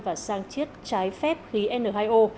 và sang triết trái phép khí n hai o